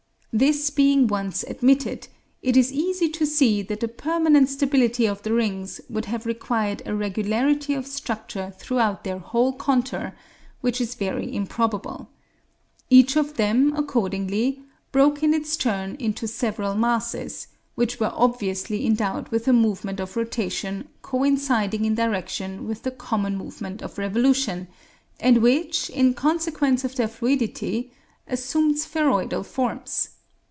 This being once admitted, it is easy to see that the permanent stability of the rings would have required a regularity of structure throughout their whole contour, which is very improbable. Each of them, accordingly, broke in its turn into several masses, which were obviously endowed with a movement of rotation coinciding in direction with the common movement of revolution, and which, in consequence of their fluidity, assumed spheroidal forms.